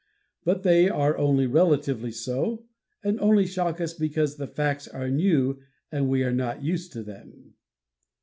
But they are only relatively so and only shock us because the facts are new and we are not yet used to them.